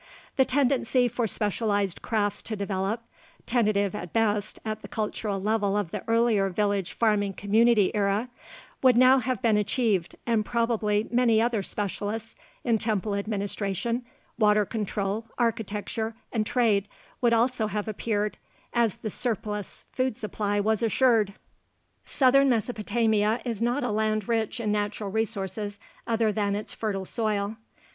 The tendency for specialized crafts to develop tentative at best at the cultural level of the earlier village farming community era would now have been achieved, and probably many other specialists in temple administration, water control, architecture, and trade would also have appeared, as the surplus food supply was assured. Southern Mesopotamia is not a land rich in natural resources other than its fertile soil.